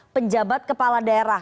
penjabat kepala daerah